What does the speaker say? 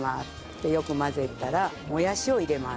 でよく混ぜたらもやしを入れます。